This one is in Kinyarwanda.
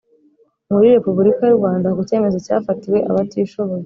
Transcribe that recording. Muri repubulika y u rwanda ku cyemezo cyafatiwe abatishoboye